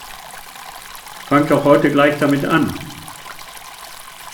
Fang' doch heute gleich damit an!